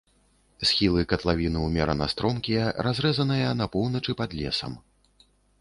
Схілы катлавіны ўмерана стромкія, разараныя, на поўначы пад лесам.